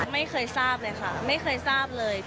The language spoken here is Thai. ไม่เคยทราบเลยค่ะไม่เคยทราบเลย